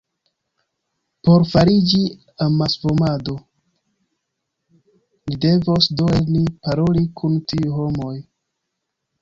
Por fariĝi amasmovado, ni devos do lerni paroli kun tiuj homoj.